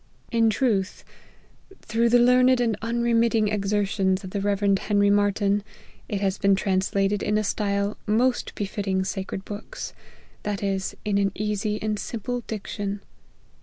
In truth, through the learned and unremitting exertions of the Rev. Henry Martyn, it has been translated in a style most befitting sacred books ; that is, in an easy and simple diction.